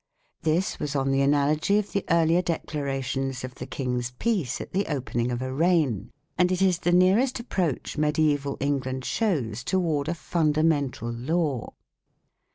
This was on the analogy of the earlier declarations of the King's peace at the opening of a reign, and it is the nearest approach mediaeval England shows toward a fundamental law.